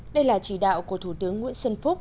đây là chỉ đạo của thủ tướng nguyễn xuân phúc